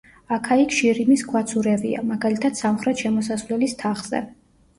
აქა-იქ შირიმის ქვაც ურევია, მაგალითად, სამხრეთ შემოსასვლელის თაღზე.